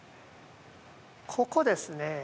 ここですね。